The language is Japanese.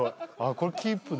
これキープで。